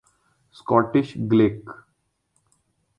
Scottish Gaelic